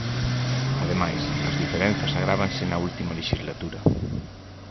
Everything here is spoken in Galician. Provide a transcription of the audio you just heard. Ademais, as diferenzas agrávanse na última lexislatura.